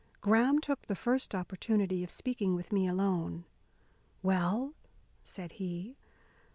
Graham took the first opportunity of speaking with me alone. "Well?" said he.